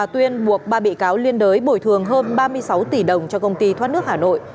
trong vụ ba bị cáo liên đối bồi thường hơn ba mươi sáu tỷ đồng cho công ty thoát nước hà nội